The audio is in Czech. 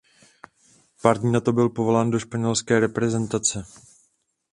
Pár dní na to byl povolán do španělské reprezentace.